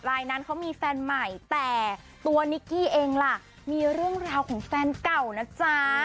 รายนั้นเขามีแฟนใหม่แต่ตัวนิกกี้เองล่ะมีเรื่องราวของแฟนเก่านะจ๊ะ